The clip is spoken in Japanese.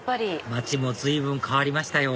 街も随分変わりましたよ